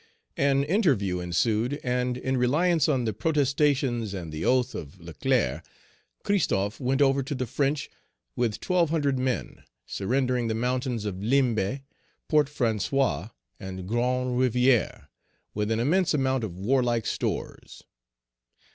An interview ensued, and, in reliance on the protestations and the oath of Leclerc, Christophe went over to the French with twelve hundred men, surrendering the mountains of Limbé, Port François, and Grande Rivière, with an immense amount of warlike stores.